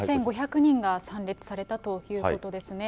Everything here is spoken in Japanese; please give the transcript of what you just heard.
２５００人が参列されたということですね。